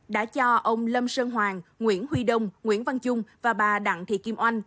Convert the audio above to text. đã cho ông lâm sơn hoàng nguyễn huy đông nguyễn văn trung và bà đặng thị kim oanh